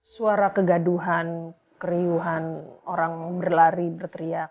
suara kegaduhan keriuhan orang berlari berteriak